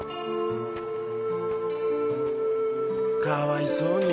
かわいそうに。